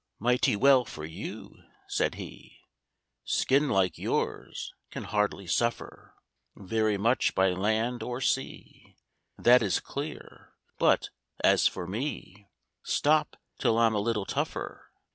"Mighty well for you" said he; "Skin like yours can hardly suffer Very much by land or sea, That is clear; but, as for me, Stop till I'm a little tougher.